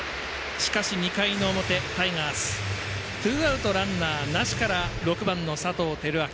しかし、２回の表タイガース、ツーアウトランナーなしから６番の佐藤輝明